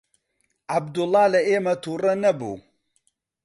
عەبدوڵڵا لە ئێمە تووڕە نەبوو.